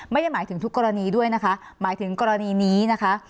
ไม่ได้หมายถึงทุกกรณีด้วยนะคะหมายถึงกรณีนี้นะคะ